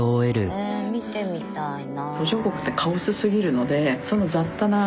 へぇ見てみたいな。